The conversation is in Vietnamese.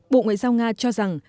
bộ ngoại giao nga cho rằng